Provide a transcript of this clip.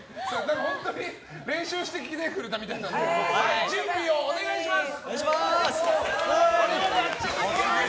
本当に練習してきてくれたみたいなので準備をお願いします！